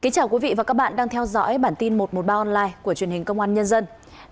chào mừng quý vị đến với bản tin một trăm một mươi ba online của truyền hình công an nhân dân